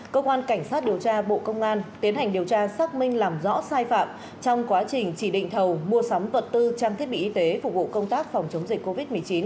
cơ quan cảnh sát điều tra bộ công an tiến hành điều tra xác minh làm rõ sai phạm trong quá trình chỉ định thầu mua sắm vật tư trang thiết bị y tế phục vụ công tác phòng chống dịch covid một mươi chín